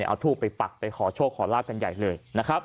เอาถูกไปปักไปขอโชคขอลาดกันใหญ่เลย